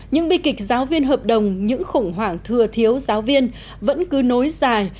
những bi kịch giáo viên hợp đồng những khủng hoảng thừa thiếu giáo viên vẫn cứ nối dài